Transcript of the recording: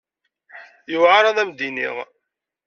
Yewɛeṛ ad am-d-iniɣ.